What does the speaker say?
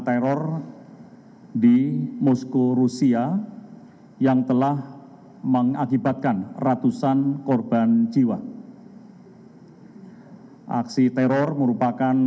teror di mosko rusia yang telah mengakibatkan ratusan korban jiwa aksi teror merupakan